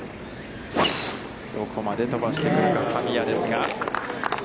どこまで飛ばしてくるか、神谷ですが。